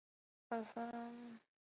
西莱阿芒塞。